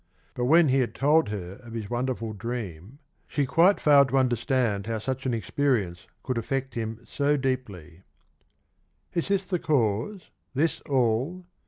But when he had told her of his wonderful dream she quite failed to understand how such an experience could affect him so deeply :" Is this the cause? This all?